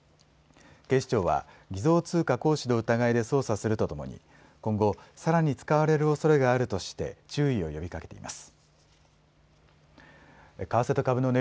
警視庁は偽造通貨行使の疑いで捜査するとともに今後さらに使われるおそれがあるとして注意を呼びかけています。